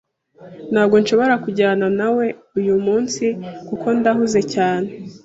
Ntabwo nshobora kujyana nawe uyumunsi kuko ndahuze cyane.